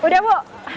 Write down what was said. bu udah bu